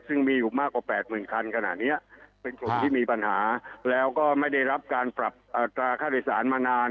ซึ่งมีอยู่มากกว่า๘๐๐๐คันขณะนี้เป็นกลุ่มที่มีปัญหาแล้วก็ไม่ได้รับการปรับอัตราค่าโดยสารมานาน